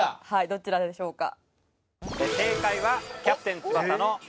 どちらでしょうか？